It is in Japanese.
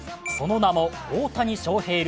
その名も大谷翔平